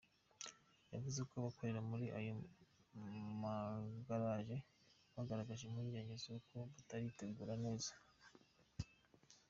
Yavuze ko abakorera muri ayo magaraje bagaragaje impungenge zuko bataritegura neza.